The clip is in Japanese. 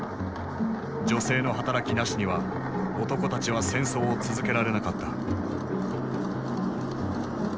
女性の働きなしには男たちは戦争を続けられなかった。